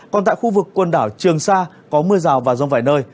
còn tại khu vực quần đảo trường sa có mưa rào và rông vài nơi